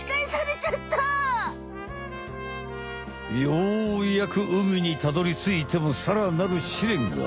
ようやく海にたどりついてもさらなる試練が。